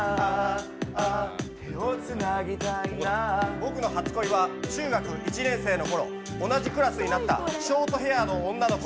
僕の初恋は中学１年生のころ同じクラスになったショートヘアの女の子。